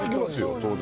当然。